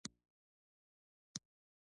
وطن مور ده.